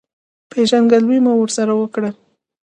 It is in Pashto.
پېژندګلوي مو ورسره وکړه.